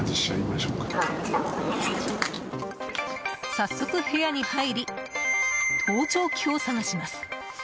早速、部屋に入り盗聴器を探します。